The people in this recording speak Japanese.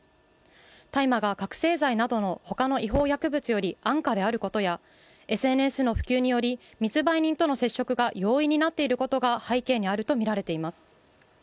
大麻が覚醒剤などの他の違法薬物より安価であることやＳＮＳの普及により、密売人との接触が容易になっていることが背景にあるとみられています。